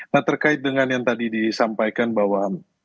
nah terkait dengan yang tadi disampaikan bahwa